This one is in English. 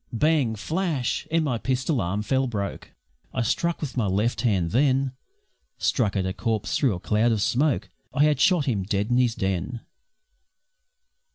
Bang! flash! and my pistol arm fell broke; I struck with my left hand then Struck at a corpse through a cloud of smoke I had shot him dead in his den!